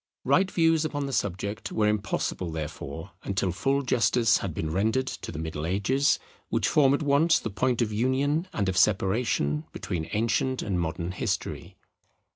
Right views upon the subject were impossible therefore until full justice had been rendered to the Middle Ages, which form at once the point of union and of separation between ancient and modern history.